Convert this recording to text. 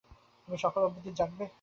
তুমি সকাল অবধি জাগবে?